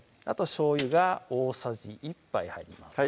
しょうゆが大さじ１杯入ります